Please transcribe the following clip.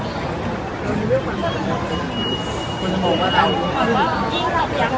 ช่องความหล่อของพี่ต้องการอันนี้นะครับ